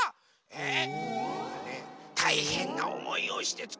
えっ！